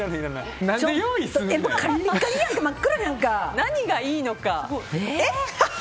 何がいいのか。